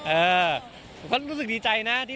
เออก็รู้สึกดีใจนะ